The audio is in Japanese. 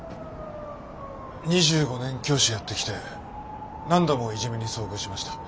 ２５年教師やってきて何度もいじめに遭遇しました。